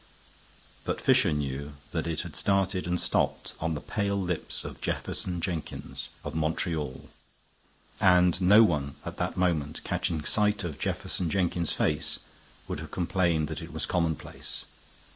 But Fisher knew that it had started and stopped on the pale lips of Jefferson Jenkins, of Montreal, and no one at that moment catching sight of Jefferson Jenkins's face would have complained that it was commonplace.